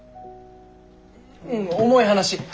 うん重い話。